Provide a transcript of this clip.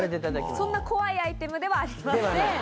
そんな怖いアイテムではありません。